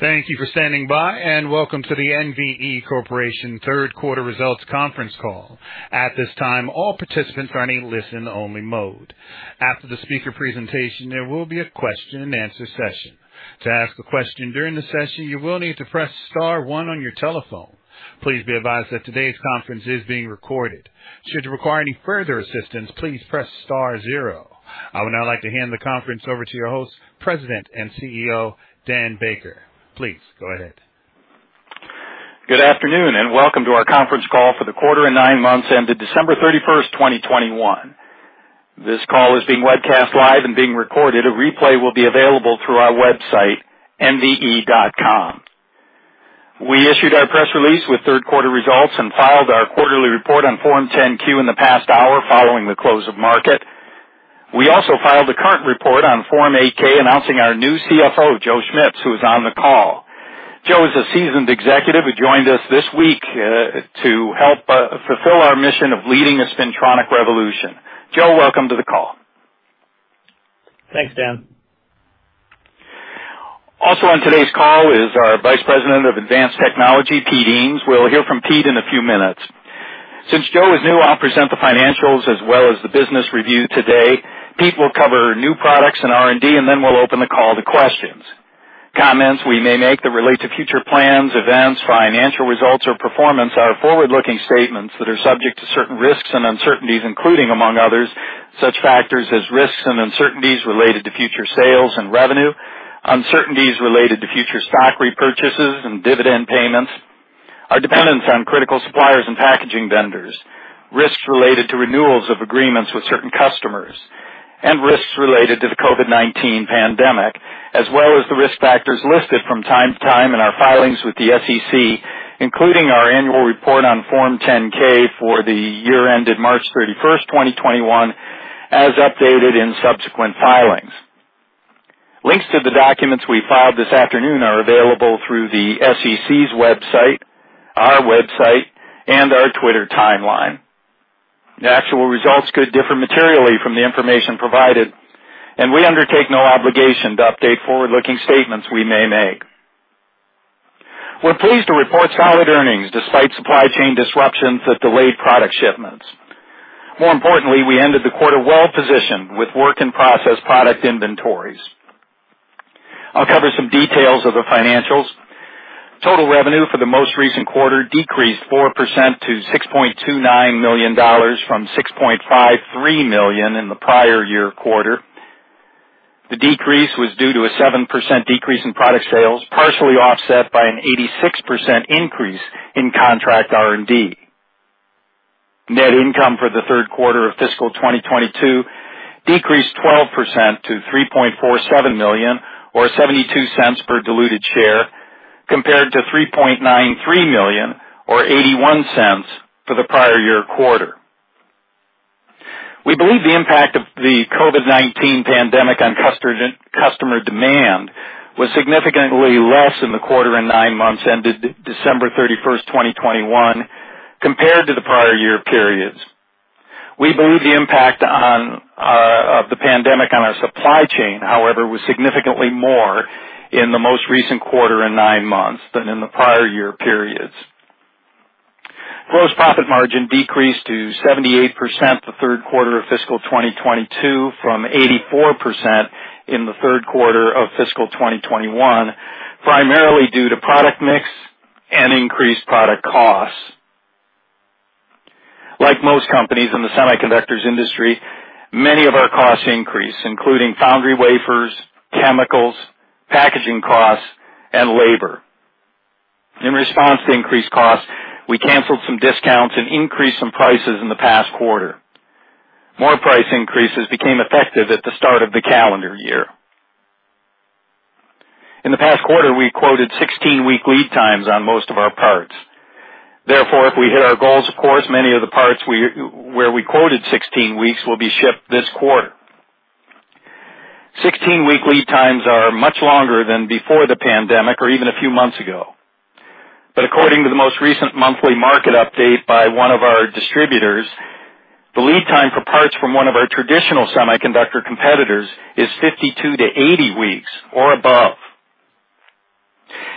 Thank you for standing by, and welcome to the NVE Corporation Third Quarter Results Conference Call. At this time, all participants are in listen-only mode. After the speaker presentation, there will be a question-and-answer session. To ask a question during the session, you will need to press star one on your telephone. Please be advised that today's conference is being recorded. Should you require any further assistance, please press star zero. I would now like to hand the conference over to your host, President and CEO, Dan Baker. Please go ahead. Good afternoon, and welcome to our conference call for the quarter and nine months ended December 31st, 2021. This call is being webcast live and being recorded. A replay will be available through our website, nve.com. We issued our press release with third quarter results and filed our quarterly report on Form 10-Q in the past hour following the close of market. We also filed a current report on Form 8-K announcing our new CFO, Joe Schmitz, who is on the call. Joe is a seasoned executive who joined us this week to help fulfill our mission of leading a spintronic revolution. Joe, welcome to the call. Thanks, Dan. Also on today's call is our Vice President of Advanced Technology, Pete Eames. We'll hear from Pete in a few minutes. Since Joe is new, I'll present the financials as well as the business review today. Pete will cover new products and R&D, and then we'll open the call to questions. Comments we may make that relate to future plans, events, financial results or performance are forward-looking statements that are subject to certain risks and uncertainties, including, among others, such factors as risks and uncertainties related to future sales and revenue, uncertainties related to future stock repurchases and dividend payments. Our dependence on critical suppliers and packaging vendors, risks related to renewals of agreements with certain customers and risks related to the COVID-19 pandemic, as well as the risk factors listed from time to time in our filings with the SEC, including our annual report on Form 10-K for the year ended March 31st, 2021, as updated in subsequent filings. Links to the documents we filed this afternoon are available through the SEC's website, our website, and our Twitter timeline. The actual results could differ materially from the information provided, and we undertake no obligation to update forward-looking statements we may make. We're pleased to report solid earnings despite supply chain disruptions that delayed product shipments. More importantly, we ended the quarter well positioned with work in process product inventories. I'll cover some details of the financials. Total revenue for the most recent quarter decreased 4% to $6.29 million from $6.53 million in the prior year quarter. The decrease was due to a 7% decrease in product sales, partially offset by an 86% increase in contract R&D. Net income for the third quarter of fiscal 2022 decreased 12% to $3.47 million or $0.72 per diluted share, compared to $3.93 million or $0.81 for the prior year quarter. We believe the impact of the COVID-19 pandemic on customer demand was significantly less in the quarter and nine months ended December 31st, 2021 compared to the prior year periods. We believe the impact on, of the pandemic on our supply chain, however, was significantly more in the most recent quarter and nine months than in the prior year periods. Gross profit margin decreased to 78% the third quarter of fiscal 2022 from 84% in the third quarter of fiscal 2021, primarily due to product mix and increased product costs. Like most companies in the semiconductors industry, many of our costs increased, including foundry wafers, chemicals, packaging costs and labor. In response to increased costs, we canceled some discounts and increased some prices in the past quarter. More price increases became effective at the start of the calendar year. In the past quarter, we quoted 16-week lead times on most of our parts. Therefore, if we hit our goals, of course, many of the parts where we quoted 16 weeks will be shipped this quarter. 16-week lead times are much longer than before the pandemic or even a few months ago. According to the most recent monthly market update by one of our distributors, the lead time for parts from one of our traditional semiconductor competitors is 52-80 weeks or above.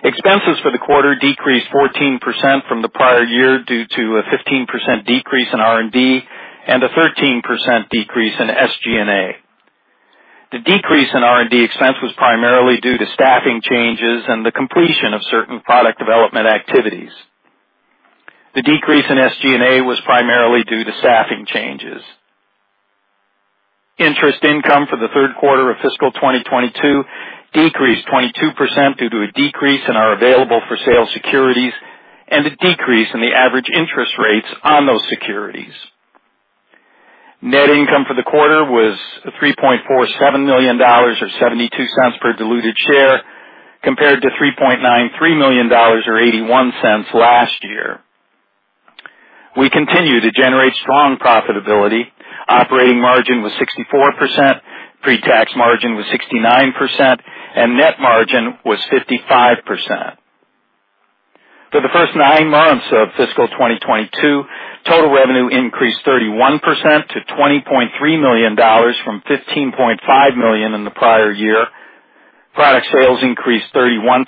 Expenses for the quarter decreased 14% from the prior year due to a 15% decrease in R&D and a 13% decrease in SG&A. The decrease in R&D expense was primarily due to staffing changes and the completion of certain product development activities. The decrease in SG&A was primarily due to staffing changes. Interest income for the third quarter of fiscal 2022 decreased 22% due to a decrease in our available for sale securities and a decrease in the average interest rates on those securities. Net income for the quarter was $3.47 million, or $0.72 per diluted share, compared to $3.93 million or $0.81 last year. We continue to generate strong profitability. Operating margin was 64%, pre-tax margin was 69%, and net margin was 55%. For the first nine months of fiscal 2022, total revenue increased 31% to $20.3 million from $15.5 million in the prior year. Product sales increased 31%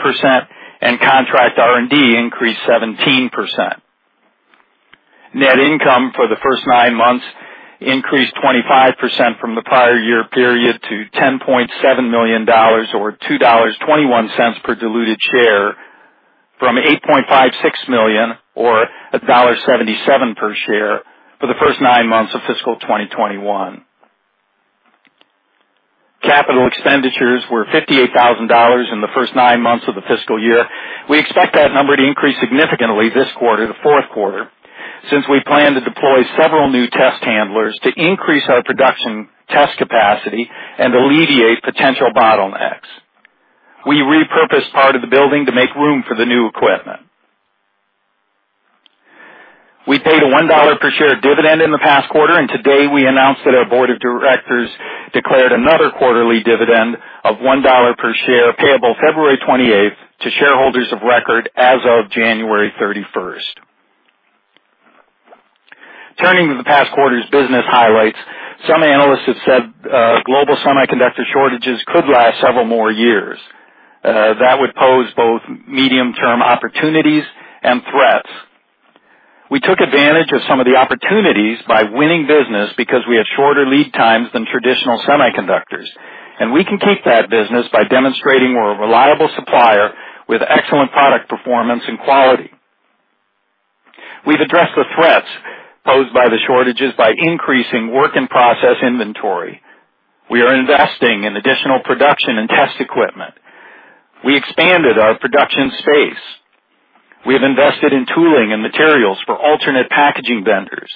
and contract R&D increased 17%. Net income for the first nine months increased 25% from the prior year period to $10.7 million or $2.21 per diluted share from $8.56 million or $1.77 per share for the first nine months of fiscal 2021. Capital expenditures were $58,000 in the first nine months of the fiscal year. We expect that number to increase significantly this quarter, the fourth quarter, since we plan to deploy several new test handlers to increase our production test capacity and alleviate potential bottlenecks. We repurposed part of the building to make room for the new equipment. We paid a $1 per share dividend in the past quarter, and today we announced that our board of directors declared another quarterly dividend of $1 per share, payable February 28th to shareholders of record as of January 31st. Turning to the past quarter's business highlights. Some analysts have said global semiconductor shortages could last several more years. That would pose both medium-term opportunities and threats. We took advantage of some of the opportunities by winning business because we have shorter lead times than traditional semiconductors, and we can keep that business by demonstrating we're a reliable supplier with excellent product performance and quality. We've addressed the threats posed by the shortages by increasing work in process inventory. We are investing in additional production and test equipment. We expanded our production space. We have invested in tooling and materials for alternate packaging vendors,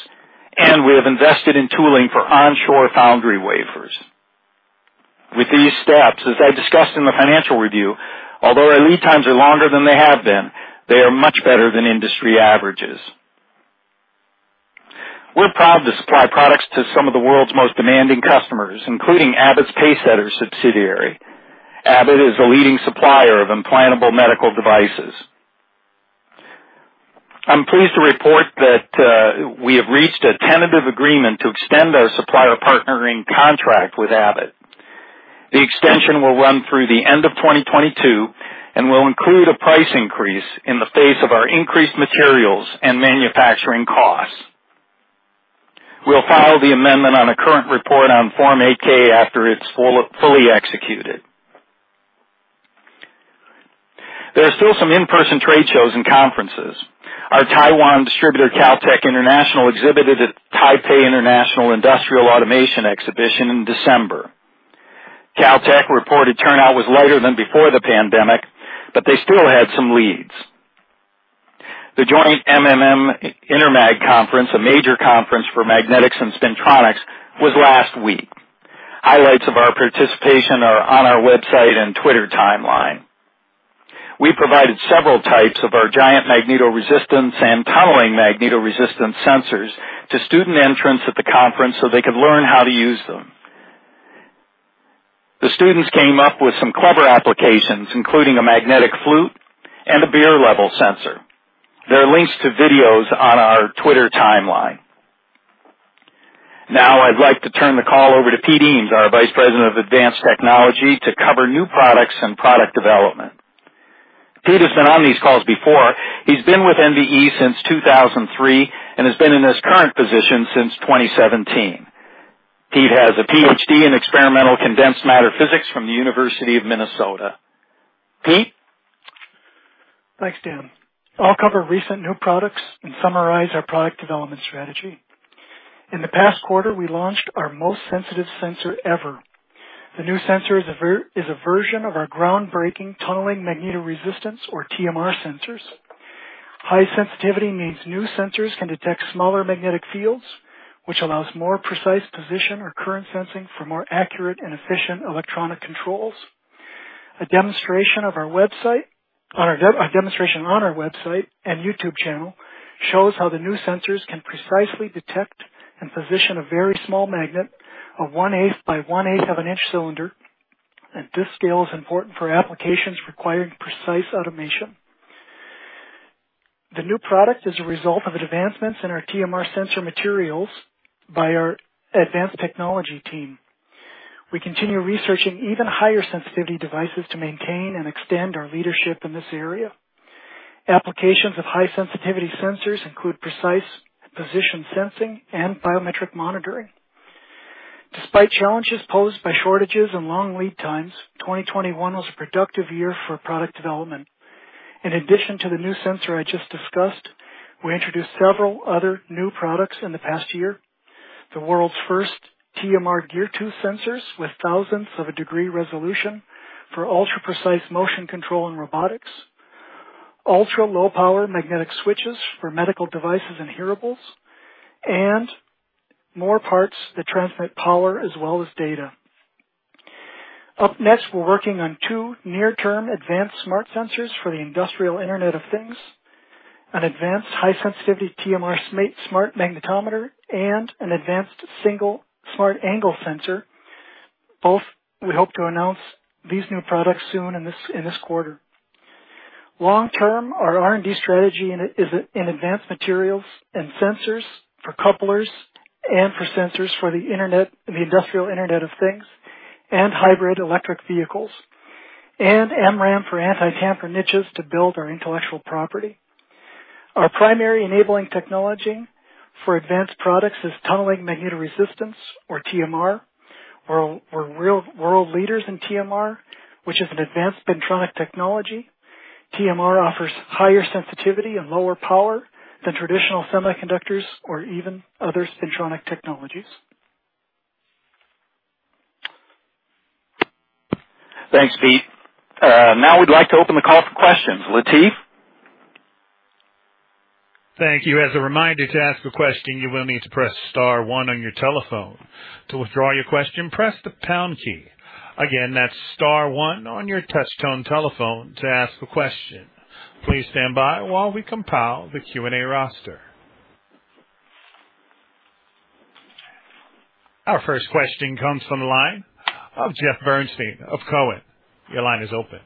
and we have invested in tooling for onshore foundry wafers. With these steps, as I discussed in the financial review, although our lead times are longer than they have been, they are much better than industry averages. We're proud to supply products to some of the world's most demanding customers, including Abbott's Pacesetter subsidiary. Abbott is a leading supplier of implantable medical devices. I'm pleased to report that we have reached a tentative agreement to extend our supplier partnering contract with Abbott. The extension will run through the end of 2022 and will include a price increase in the face of our increased materials and manufacturing costs. We'll file the amendment on a current report on Form 8-K after it's fully executed. There are still some in-person trade shows and conferences. Our Taiwan distributor, Caltech International, exhibited at Taipei International Industrial Automation Exhibition in December. Caltech reported turnout was lighter than before the pandemic, but they still had some leads. The joint MMM-Intermag conference, a major conference for magnetics and spintronics, was last week. Highlights of our participation are on our website and Twitter timeline. We provided several types of our giant magnetoresistance and tunneling magnetoresistance sensors to student entrants at the conference so they could learn how to use them. The students came up with some clever applications, including a magnetic flute and a beer level sensor. There are links to videos on our Twitter timeline. Now I'd like to turn the call over to Pete Eames, our Vice President of Advanced Technology, to cover new products and product development. Pete has been on these calls before. He's been with NVE since 2003 and has been in his current position since 2017. Pete has a Ph.D. in Experimental Condensed Matter Physics from the University of Minnesota. Pete? Thanks, Dan. I'll cover recent new products and summarize our product development strategy. In the past quarter, we launched our most sensitive sensor ever. The new sensor is a version of our groundbreaking tunneling magnetoresistance, or TMR, sensors. High sensitivity means new sensors can detect smaller magnetic fields, which allows more precise position or current sensing for more accurate and efficient electronic controls. A demonstration on our website and YouTube channel shows how the new sensors can precisely detect and position a very small magnet of one-eighth by one-eighth of an inch cylinder, and this scale is important for applications requiring precise automation. The new product is a result of advancements in our TMR sensor materials by our advanced technology team. We continue researching even higher sensitivity devices to maintain and extend our leadership in this area. Applications of high sensitivity sensors include precise position sensing and biometric monitoring. Despite challenges posed by shortages and long lead times, 2021 was a productive year for product development. In addition to the new sensor I just discussed, we introduced several other new products in the past year. The world's first TMR gear-tooth sensors with thousandths of a degree resolution for ultra-precise motion control and robotics, ultra-low power magnetic switches for medical devices and hearables, and more parts that transmit power as well as data. Up next, we're working on two near-term advanced smart sensors for the industrial Internet of Things, an advanced high sensitivity TMR smart magnetometer, and an advanced single smart angle sensor. We hope to announce these new products soon in this quarter. Long term, our R&D strategy is in advanced materials and sensors for couplers and for sensors for the Internet, the industrial Internet of Things and hybrid electric vehicles, and MRAM for anti-tamper niches to build our intellectual property. Our primary enabling technology for advanced products is tunneling magnetoresistance, or TMR. We're real world leaders in TMR, which is an advanced spintronic technology. TMR offers higher sensitivity and lower power than traditional semiconductors or even other spintronic technologies. Thanks, Pete. Now we'd like to open the call for questions. Latif. Thank you. As a reminder, to ask a question, you will need to press star one on your telephone. To withdraw your question, press the pound key. Again, that's star one on your touch tone telephone to ask a question. Please stand by while we compile the Q&A roster. Our first question comes from the line of Jeff Bernstein of Cowen. Your line is open.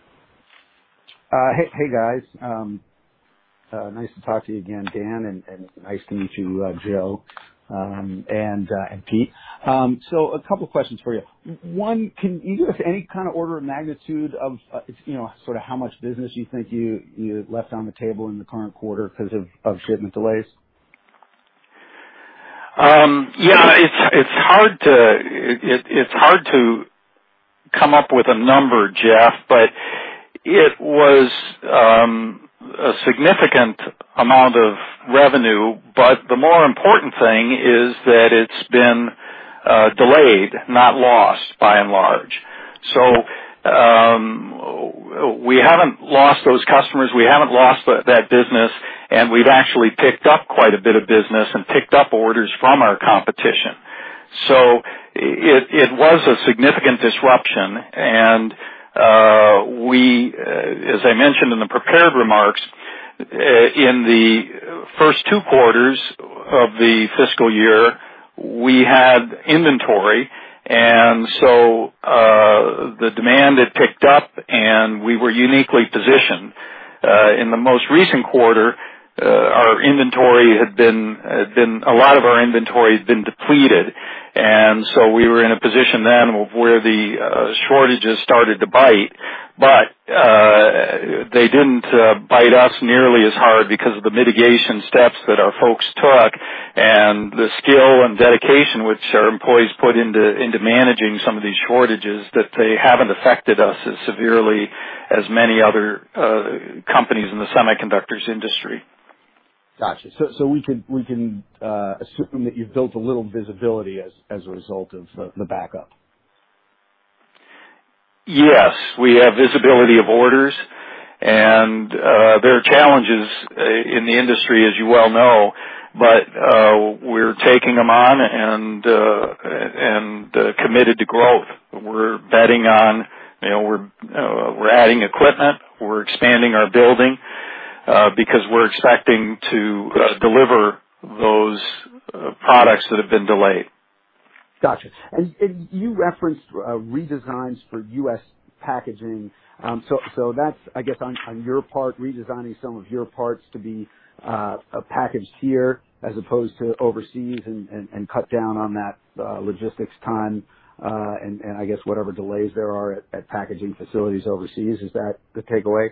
Hey, guys. Nice to talk to you again, Dan, and nice to meet you, Joe, and Pete. A couple questions for you. One, can you give us any kind of order of magnitude of, you know, sort of how much business you think you left on the table in the current quarter 'cause of shipment delays? Yeah, it's hard to come up with a number, Jeff, but it was a significant amount of revenue. The more important thing is that it's been delayed, not lost, by and large. We haven't lost those customers. We haven't lost that business, and we've actually picked up quite a bit of business and picked up orders from our competition. It was a significant disruption. As I mentioned in the prepared remarks, in the first two quarters of the fiscal year, we had inventory, and so the demand had picked up, and we were uniquely positioned. In the most recent quarter, a lot of our inventory had been depleted, and so we were in a position then of where the shortages started to bite. They didn't bite us nearly as hard because of the mitigation steps that our folks took and the skill and dedication which our employees put into managing some of these shortages, that they haven't affected us as severely as many other companies in the semiconductor industry. Gotcha. We can assume that you've built a little visibility as a result of the backup. Yes, we have visibility of orders, and there are challenges in the industry, as you well know. We're taking them on and committed to growth. We're betting on, you know, we're adding equipment. We're expanding our building because we're expecting to deliver those products that have been delayed. Gotcha. You referenced redesigns for US packaging. That's, I guess, on your part, redesigning some of your parts to be packaged here as opposed to overseas and cut down on that logistics time and I guess whatever delays there are at packaging facilities overseas. Is that the takeaway?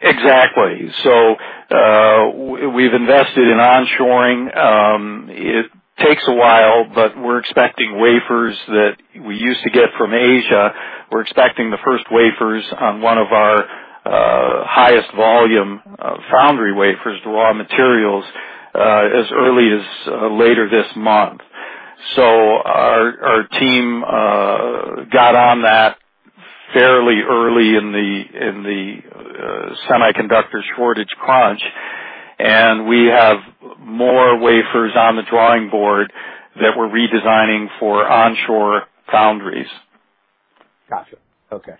Exactly. We've invested in onshoring. It takes a while, but we're expecting wafers that we used to get from Asia. We're expecting the first wafers on one of our highest volume foundry wafers, the raw materials, as early as later this month. Our team got on that fairly early in the semiconductor shortage crunch. We have more wafers on the drawing board that we're redesigning for onshore foundries. Gotcha. Okay.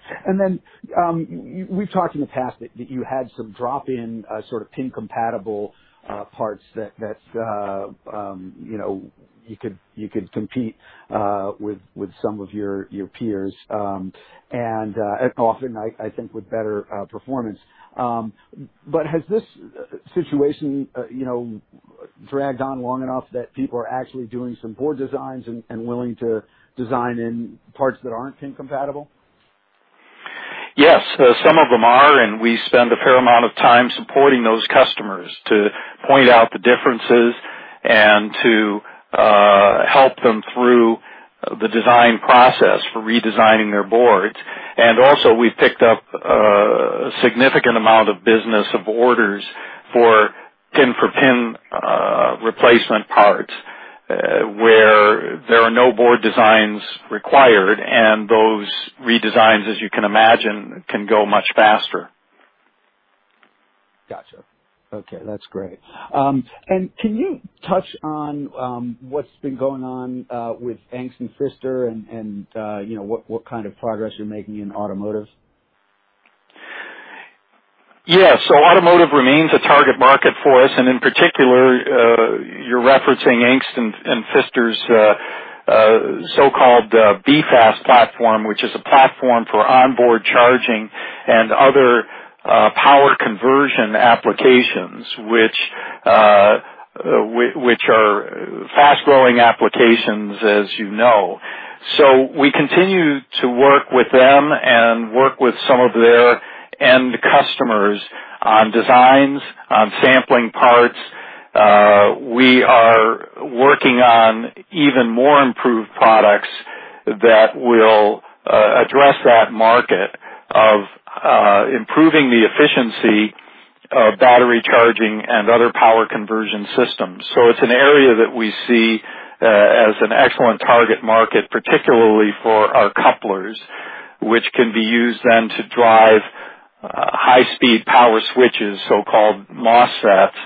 We've talked in the past that you had some drop-in sort of pin-compatible parts that you know you could compete with some of your peers and often I think with better performance. Has this situation you know dragged on long enough that people are actually doing some board designs and willing to design in parts that aren't pin-compatible? Yes, some of them are, and we spend a fair amount of time supporting those customers to point out the differences and to help them through the design process for redesigning their boards. We've picked up a significant amount of business of orders for pin-for-pin replacement parts, where there are no board designs required, and those redesigns, as you can imagine, can go much faster. Gotcha. Okay. That's great. Can you touch on what's been going on with Angst+Pfister and you know what kind of progress you're making in automotive? Yes. Automotive remains a target market for us. In particular, you're referencing Angst+Pfister's so-called B-Fast platform, which is a platform for onboard charging and other power conversion applications, which are fast-growing applications, as you know. We continue to work with them and work with some of their end customers on designs, on sampling parts. We are working on even more improved products that will address that market of improving the efficiency of battery charging and other power conversion systems. It's an area that we see as an excellent target market, particularly for our couplers, which can be used then to drive high speed power switches, so-called MOSFETs,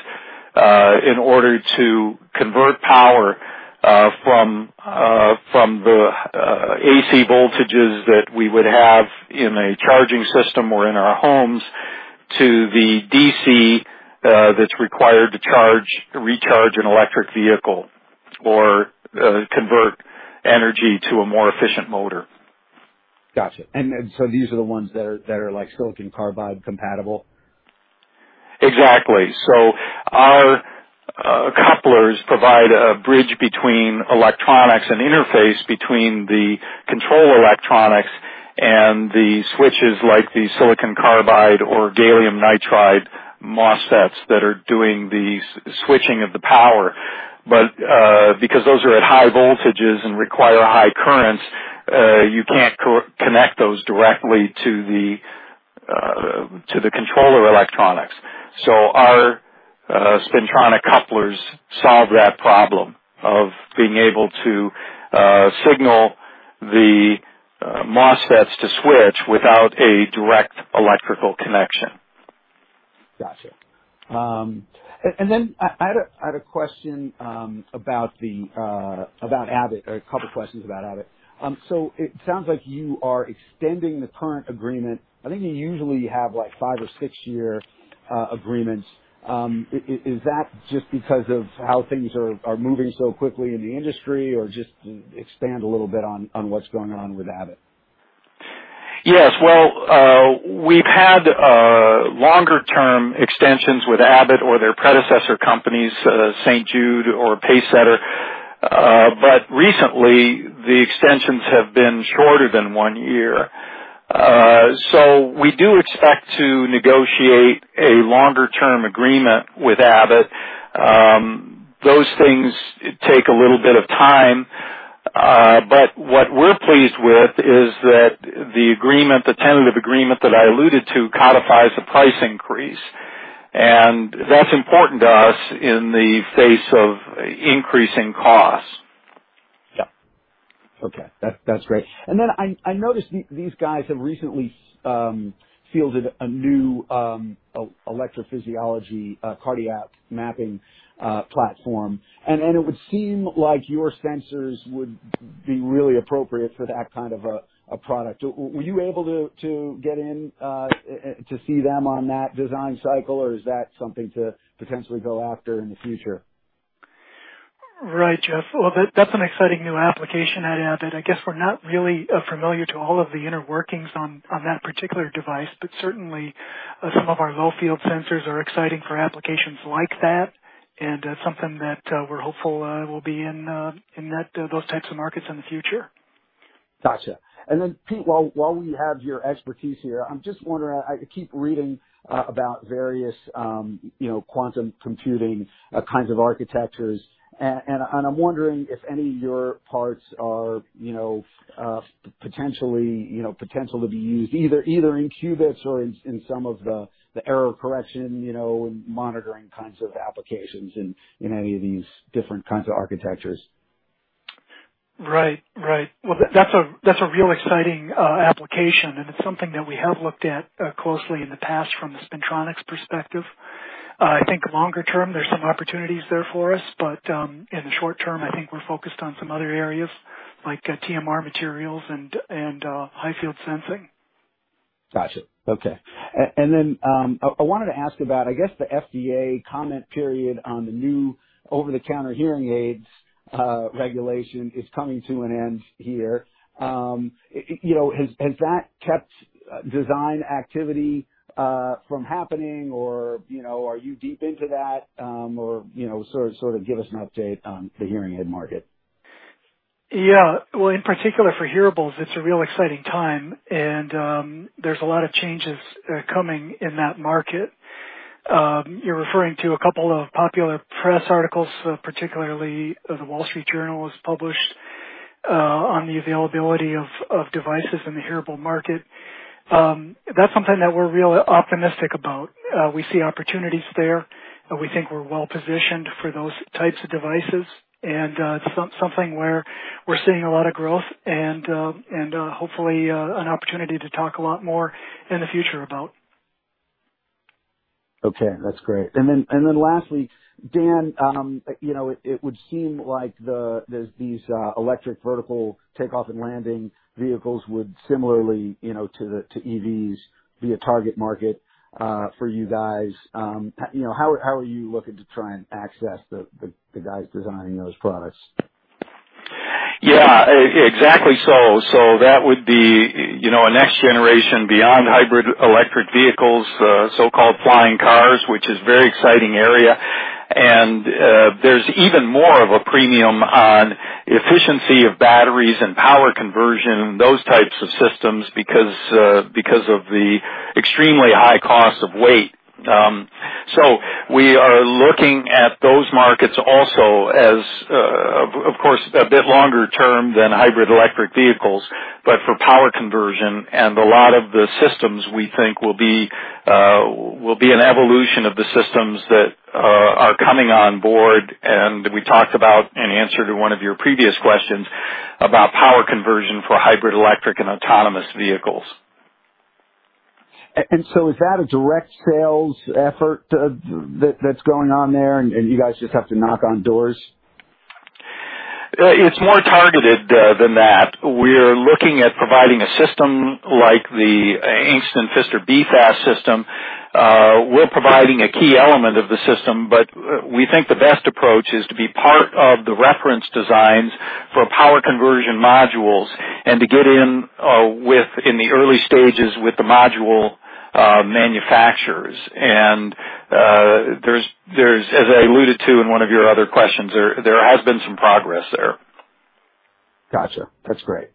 in order to convert power from the AC voltages that we would have in a charging system or in our homes to the DC that's required to recharge an electric vehicle or convert energy to a more efficient motor. Gotcha. These are the ones that are like silicon carbide compatible? Exactly. Our couplers provide a bridge between electronics and interface between the control electronics and the switches, like the silicon carbide or gallium nitride MOSFETs that are doing the switching of the power. Because those are at high voltages and require high currents, you can't connect those directly to the controller electronics. Our spintronic couplers solve that problem of being able to signal the MOSFETs to switch without a direct electrical connection. Gotcha. And then I had a question about Abbott, or a couple of questions about Abbott. It sounds like you are extending the current agreement. I think you usually have, like, five- or six-year agreements. Is that just because of how things are moving so quickly in the industry, or just expand a little bit on what's going on with Abbott? Yes. Well, we've had longer term extensions with Abbott or their predecessor companies, St. Jude or Pacesetter. Recently the extensions have been shorter than one year. We do expect to negotiate a longer term agreement with Abbott. Those things take a little bit of time. What we're pleased with is that the agreement, the tentative agreement that I alluded to codifies the price increase, and that's important to us in the face of increasing costs. Yeah. Okay. That's great. I noticed these guys have recently fielded a new electrophysiology cardiac mapping platform. It would seem like your sensors would be really appropriate for that kind of a product. Were you able to get in to see them on that design cycle, or is that something to potentially go after in the future? Right, Jeff. Well, that's an exciting new application at Abbott. I guess we're not really familiar to all of the inner workings on that particular device, but certainly some of our low field sensors are exciting for applications like that, and something that we're hopeful will be in those types of markets in the future. Gotcha. Then, Pete, while we have your expertise here, I'm just wondering, I keep reading about various, you know, quantum computing kinds of architectures, and I'm wondering if any of your parts are, you know, potentially, you know, potential to be used either in qubits or in some of the error correction, you know, and monitoring kinds of applications in any of these different kinds of architectures? Right. Well, that's a real exciting application, and it's something that we have looked at closely in the past from the spintronics perspective. I think longer term there's some opportunities there for us, but in the short term, I think we're focused on some other areas like TMR materials and high field sensing. Gotcha. Okay. And then I wanted to ask about, I guess, the FDA comment period on the new over-the-counter hearing aids regulation is coming to an end here. You know, has that kept design activity from happening or, you know, are you deep into that or, you know, sort of give us an update on the hearing aid market. Yeah. Well, in particular for hearables, it's a real exciting time, and there's a lot of changes coming in that market. You're referring to a couple of popular press articles, particularly The Wall Street Journal has published on the availability of devices in the hearable market. That's something that we're really optimistic about. We see opportunities there. We think we're well-positioned for those types of devices, and something where we're seeing a lot of growth and hopefully an opportunity to talk a lot more in the future about. Okay, that's great. Lastly, Dan, you know, it would seem like there's these electric vertical takeoff and landing vehicles would similarly, you know, to EVs, be a target market for you guys. You know, how are you looking to try and access the guys designing those products? Yeah, exactly so. That would be, you know, a next generation beyond hybrid electric vehicles, so-called flying cars, which is very exciting area. There's even more of a premium on efficiency of batteries and power conversion, those types of systems because of the extremely high cost of weight. We are looking at those markets also as, of course, a bit longer term than hybrid electric vehicles, but for power conversion. A lot of the systems, we think, will be an evolution of the systems that are coming on board. We talked about, in answer to one of your previous questions, about power conversion for hybrid electric and autonomous vehicles. Is that a direct sales effort, that that's going on there, and you guys just have to knock on doors? It's more targeted than that. We're looking at providing a system like the Angst+Pfister BFAS system. We're providing a key element of the system, but we think the best approach is to be part of the reference designs for power conversion modules and to get in in the early stages with the module manufacturers. There's as I alluded to in one of your other questions, there has been some progress there. Gotcha. That's great.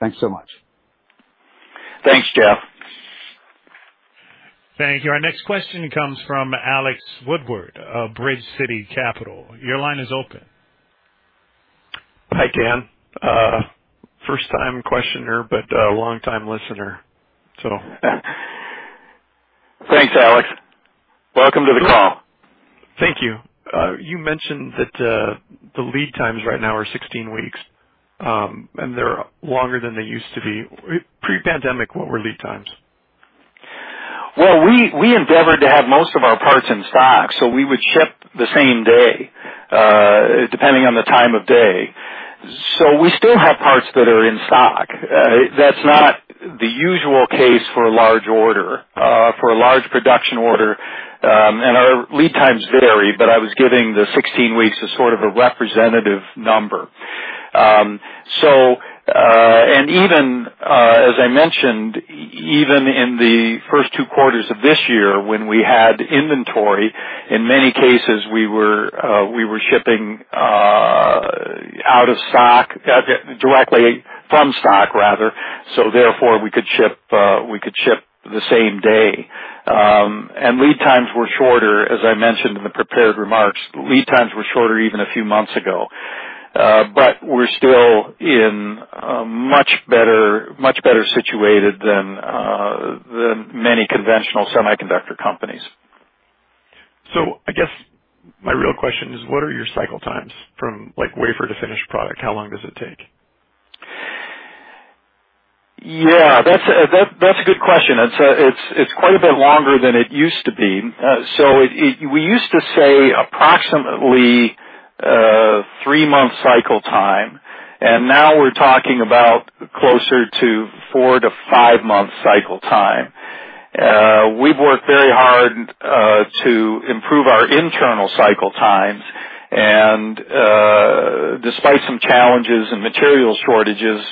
Thanks so much. Thanks, Jeff. Thank you. Our next question comes from Alex Woodward of Bridge City Capital. Your line is open. Hi, Dan. First time questioner, but longtime listener, so. Thanks, Alex. Welcome to the call. Thank you. You mentioned that the lead times right now are 16 weeks, and they're longer than they used to be. Pre-pandemic, what were lead times? Well, we endeavored to have most of our parts in stock, so we would ship the same day, depending on the time of day. We still have parts that are in stock. That's not the usual case for a large order, for a large production order. Our lead times vary, but I was giving the 16 weeks as sort of a representative number. Even in the first two quarters of this year when we had inventory, in many cases, we were shipping out of stock directly from stock, rather. We could ship the same day. Lead times were shorter, as I mentioned in the prepared remarks, lead times were shorter even a few months ago. We're still in a much better situated than many conventional semiconductor companies. I guess my real question is, what are your cycle times from like wafer to finished product? How long does it take? Yeah, that's a good question. It's quite a bit longer than it used to be. We used to say approximately three month cycle time, and now we're talking about closer to four to five month cycle time. We've worked very hard to improve our internal cycle times, and despite some challenges and material shortages,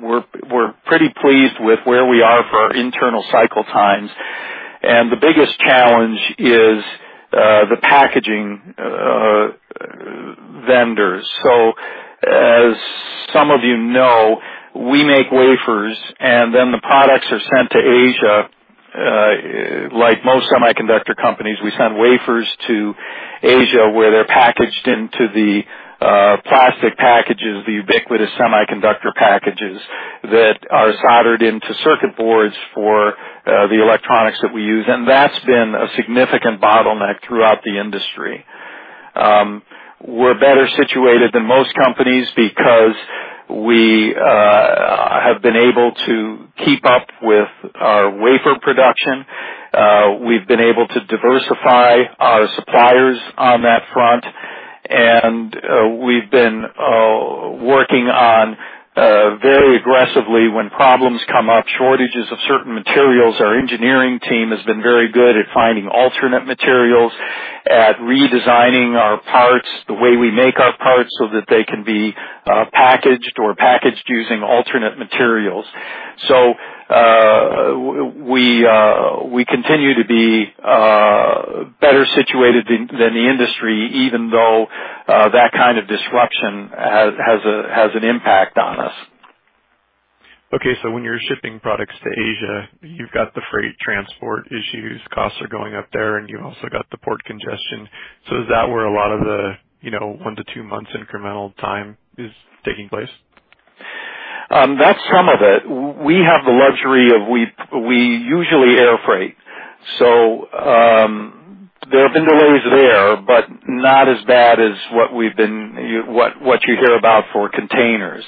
we're pretty pleased with where we are for our internal cycle times. The biggest challenge is the packaging vendors. As some of you know, we make wafers, and then the products are sent to Asia. Like most semiconductor companies, we send wafers to Asia, where they're packaged into the plastic packages, the ubiquitous semiconductor packages that are soldered into circuit boards for the electronics that we use. That's been a significant bottleneck throughout the industry. We're better situated than most companies because we have been able to keep up with our wafer production. We've been able to diversify our suppliers on that front. We've been working very aggressively when problems come up, shortages of certain materials. Our engineering team has been very good at finding alternate materials, at redesigning our parts, the way we make our parts, so that they can be packaged using alternate materials. We continue to be better situated than the industry, even though that kind of disruption has an impact on us. Okay. When you're shipping products to Asia, you've got the freight transport issues, costs are going up there, and you've also got the port congestion. Is that where a lot of the, you know, one to two months incremental time is taking place? That's some of it. We have the luxury of. We usually air freight. There have been delays there, but not as bad as what you hear about for containers.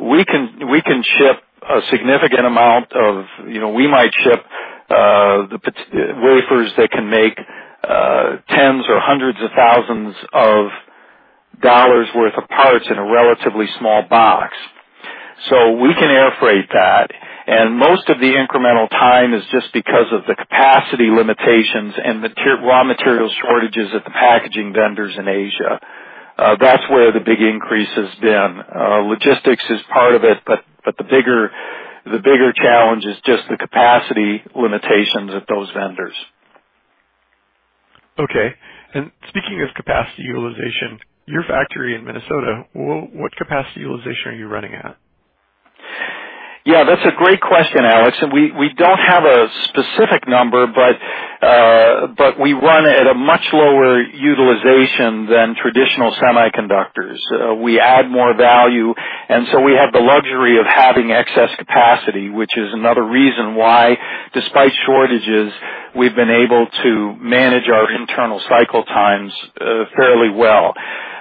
We can ship a significant amount of, you know, we might ship wafers that can make tens or hundreds of thousands of dollars worth of parts in a relatively small box. We can air freight that. Most of the incremental time is just because of the capacity limitations and raw material shortages at the packaging vendors in Asia. That's where the big increase has been. Logistics is part of it, but the bigger challenge is just the capacity limitations at those vendors. Okay. Speaking of capacity utilization, your factory in Minnesota, what capacity utilization are you running at? Yeah, that's a great question, Alex. We don't have a specific number, but we run at a much lower utilization than traditional semiconductors. We add more value, and so we have the luxury of having excess capacity, which is another reason why, despite shortages, we've been able to manage our internal cycle times fairly well.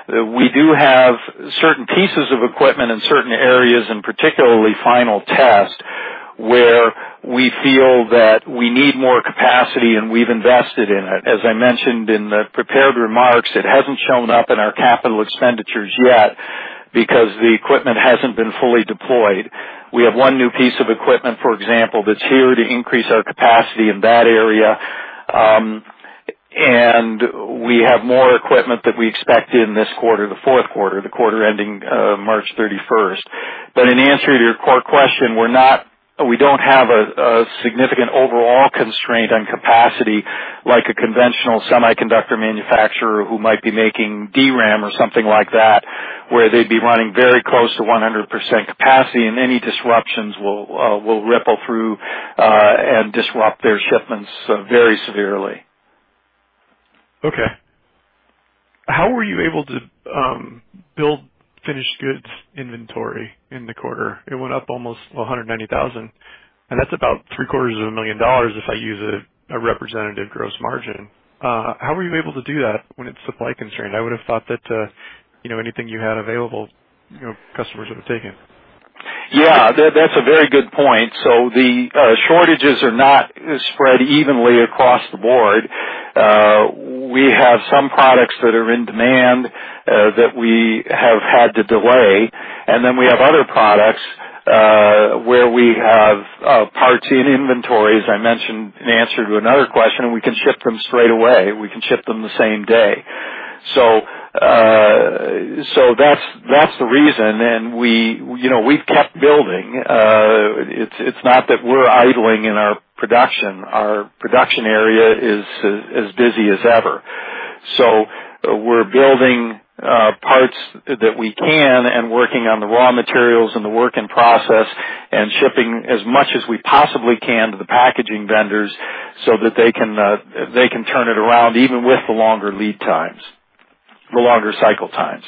We do have certain pieces of equipment in certain areas, and particularly final test, where we feel that we need more capacity, and we've invested in it. As I mentioned in the prepared remarks, it hasn't shown up in our capital expenditures yet because the equipment hasn't been fully deployed. We have one new piece of equipment, for example, that's here to increase our capacity in that area, and we have more equipment that we expect in this quarter, the fourth quarter, the quarter ending March 31st. In answer to your core question, we don't have a significant overall constraint on capacity like a conventional semiconductor manufacturer who might be making DRAM or something like that, where they'd be running very close to 100% capacity, and any disruptions will ripple through and disrupt their shipments very severely. Okay. How were you able to build finished goods inventory in the quarter? It went up almost $190,000, and that's about three-quarters of a million dollars if I use a representative gross margin. How were you able to do that when it's supply constrained? I would have thought that you know, anything you had available, you know, customers would have taken. Yeah, that's a very good point. The shortages are not spread evenly across the board. We have some products that are in demand that we have had to delay. We have other products where we have parts in inventories. I mentioned in answer to another question we can ship them straight away. We can ship them the same day. That's the reason. You know, we've kept building. It's not that we're idling in our production. Our production area is as busy as ever. We're building parts that we can and working on the raw materials and the work in process and shipping as much as we possibly can to the packaging vendors so that they can turn it around, even with the longer lead times, the longer cycle times.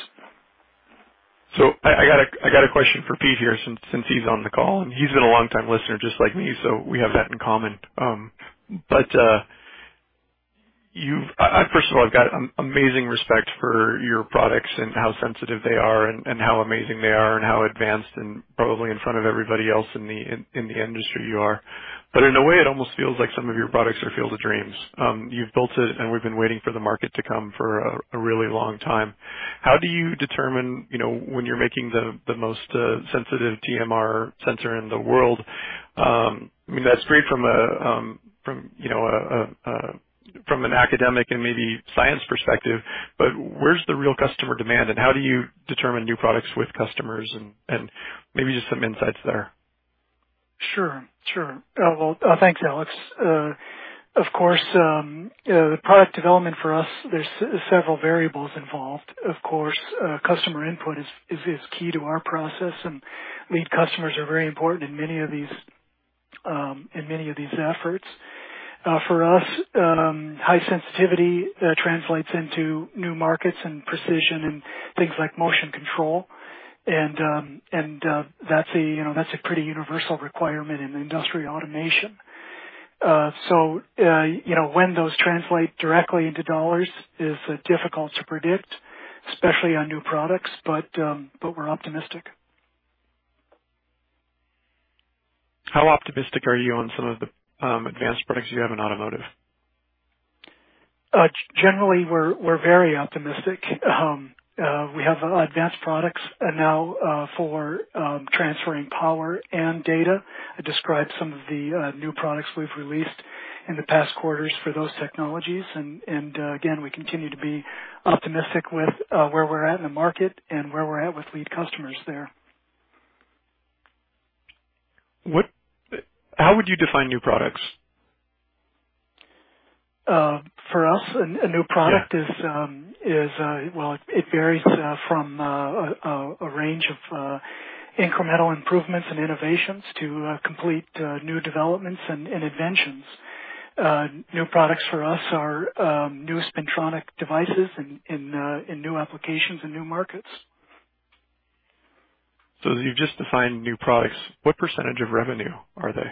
I got a question for Pete here since he's on the call, and he's been a long time listener just like me, so we have that in common. I first of all got amazing respect for your products and how sensitive they are and how amazing they are and how advanced and probably in front of everybody else in the industry you are. In a way, it almost feels like some of your products are Field of Dreams. You've built it, and we've been waiting for the market to come for a really long time. How do you determine, you know, when you're making the most sensitive TMR sensor in the world? I mean, that's straight from an academic and maybe science perspective, but where's the real customer demand, and how do you determine new products with customers, and maybe just some insights there. Sure. Well, thanks, Alex. Of course, the product development for us, there's several variables involved. Of course, customer input is key to our process, and lead customers are very important in many of these efforts. For us, high sensitivity translates into new markets and precision and things like motion control. And that's a, you know, that's a pretty universal requirement in industrial automation. So, you know, when those translate directly into dollars is difficult to predict, especially on new products, but we're optimistic. How optimistic are you on some of the advanced products you have in automotive? Generally, we're very optimistic. We have advanced products now for transferring power and data. I described some of the new products we've released in the past quarters for those technologies. Again, we continue to be optimistic with where we're at in the market and where we're at with lead customers there. How would you define new products? For us, a new product. Yeah. Well, it varies from a range of incremental improvements and innovations to complete new developments and inventions. New products for us are new spintronic devices in new applications and new markets. You've just defined new products. What percentage of revenue are they?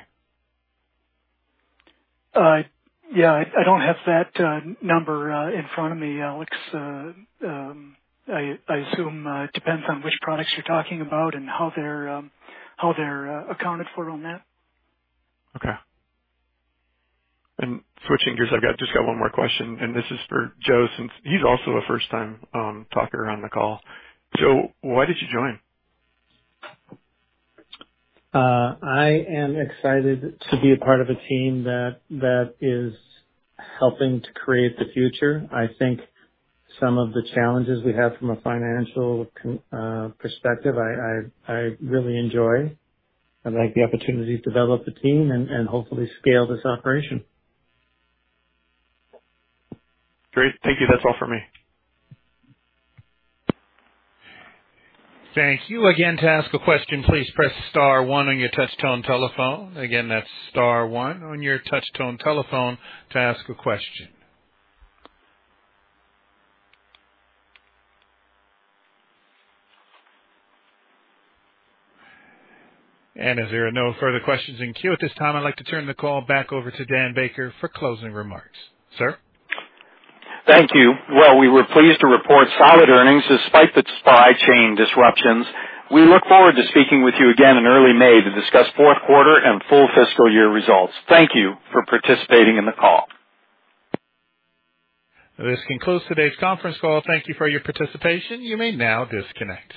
Yeah, I don't have that number in front of me, Alex. I assume it depends on which products you're talking about and how they're accounted for on that. Okay. Switching gears, just got one more question, and this is for Joe, since he's also a first time talker on the call. Joe, why did you join? I am excited to be a part of a team that is helping to create the future. I think some of the challenges we have from a financial perspective, I really enjoy. I like the opportunity to develop a team and hopefully scale this operation. Great. Thank you. That's all for me. Thank you. Again, to ask a question, please press star one on your touch tone telephone. Again, that's star one on your touch tone telephone to ask a question. If there are no further questions in queue at this time, I'd like to turn the call back over to Dan Baker for closing remarks. Sir? Thank you. Well, we were pleased to report solid earnings despite the supply chain disruptions. We look forward to speaking with you again in early May to discuss fourth quarter and full fiscal year results. Thank you for participating in the call. This concludes today's conference call. Thank you for your participation. You may now disconnect.